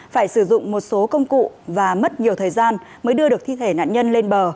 phải sử dụng một số công cụ và mất nhiều thời gian mới đưa được thi thể nạn nhân lên bờ